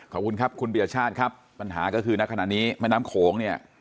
ขอบคุณครับคุณปียชาติครับปัญหาก็คือณขณะนี้แม่น้ำโขงเนี่ย